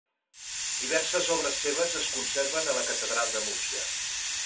Diverses obres seves es conserven a la catedral de Múrcia.